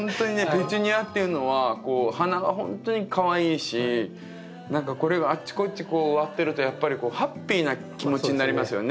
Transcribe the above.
ペチュニアっていうのはお花がほんとにかわいいし何かこれがあっちこっち植わってるとやっぱりハッピーな気持ちになりますよね。